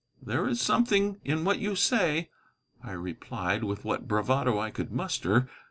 "There is something in what you say," I replied, with what bravado I could muster.